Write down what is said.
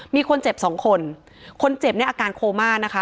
มีคนเจ็บ๒คนคนเจ็บในอาการโคม่านะคะ